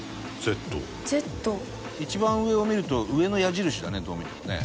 一番上を見ると「上」の矢印だねどう見てもね。